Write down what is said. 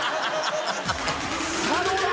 さあどうだ